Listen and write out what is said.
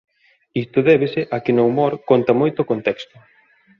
Isto débese a que no humor conta moito o contexto.